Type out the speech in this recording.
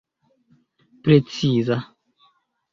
preciza